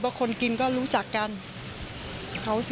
ตลอดทั้งคืนตลอดทั้งคืน